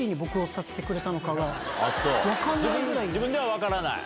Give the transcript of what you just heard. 自分では分からない。